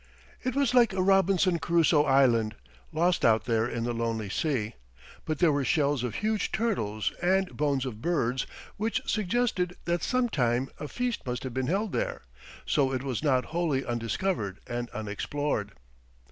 It was like a Robinson Crusoe island, lost out there in the lonely sea. But there were shells of huge turtles, and bones of birds, which suggested that sometime a feast must have been held there, so it was not wholly undiscovered and unexplored.